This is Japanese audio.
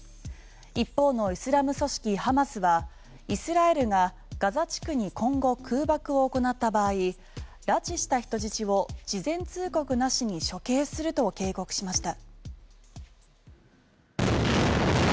一方のイスラム組織ハマスはイスラエルがガザ地区に今後、空爆を行った場合拉致した人質を事前通告なしに処刑すると警告しました。